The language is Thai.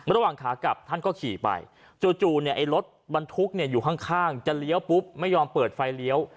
ระหว่างขากลับท่านก็ขี่ไปจู่รถบรรทุกอยู่ข้างจะเลี้ยวปุ๊บไม่ยอมเปิดไฟเลี้ยว